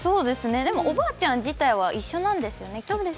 おばあちゃん自体は一緒なんですよね、きっと。